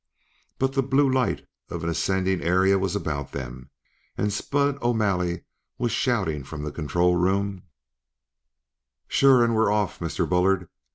But the blue light of an ascending area was about them, and Spud O'Malley was shouting from the control room: "Sure, and we're off, Mr. Bullard.